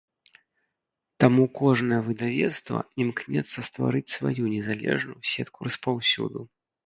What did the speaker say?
Таму кожнае выдавецтва імкнецца стварыць сваю незалежную сетку распаўсюду.